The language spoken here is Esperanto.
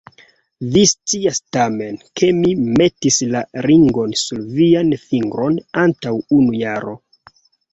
Vi scias tamen, ke mi metis la ringon sur vian fingron antaŭ unu jaro.